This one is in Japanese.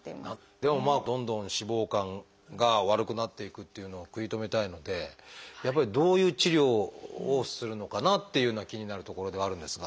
でもどんどん脂肪肝が悪くなっていくっていうのを食い止めたいのでどういう治療をするのかなっていうのが気になるところではあるんですが。